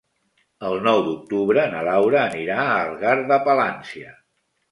El nou d'octubre na Laura anirà a Algar de Palància.